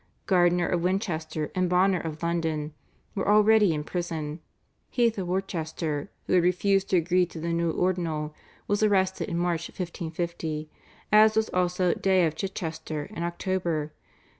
Gardiner of Winchester and Bonner of London were already in prison. Heath of Worcester, who had refused to agree to the new Ordinal, was arrested in March 1550, as was also Day of Chichester in October.